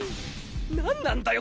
何なんだよ